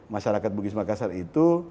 masyarakat bugis makassar itu